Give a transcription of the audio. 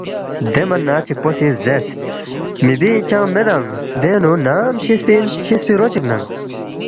دے من نہ چکپو سی زیرس، ”می بی چنگ میدانگ، دینگ نُو نام شِسفی اِن شِسفی رو چِک ننگ